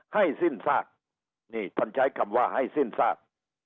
ให้สิ้นซากนี่ท่านใช้คำว่าให้สิ้นซาก